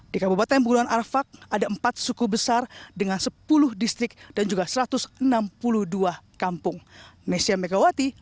di kabupaten pegunungan arfak ada empat suku besar dengan sepuluh distrik dan juga satu ratus enam puluh dua kampung